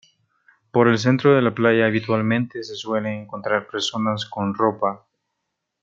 Por el centro de la playa habitualmente se suelen encontrar personas con ropa.